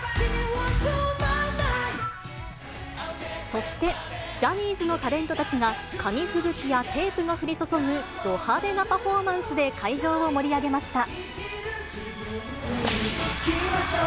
そしてジャニーズのタレントたちが、紙吹雪やテープが降り注ぐ、ド派手なパフォーマンスで会場を盛り上げました。